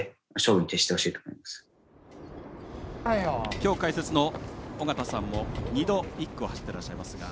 きょう解説の尾方さんも２度、１区を走っていらっしゃいますが。